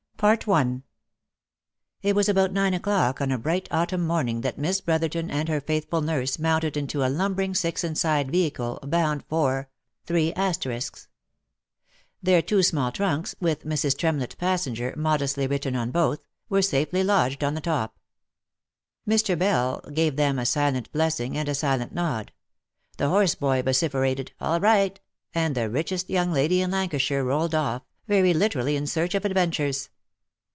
It was about nine o'clock on a bright autumn morning that Miss Brotherton and her faithful nurse mounted into a lumbering six inside vehicle, bound for . Their two small trunks, with " Mrs. Trem lett, passenger ," modestly written on both, were safely lodged on the top ; Mr. Bell gave them a silent blessing and a silent nod ; the horse boy vociferated " all right," and the richest young lady in Lancashire rolled off, very literally in search of adventures.